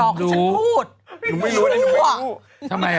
นุ่มไม่รู้ชั่วนุ่มไม่รู้บเตะทำไมล่ะ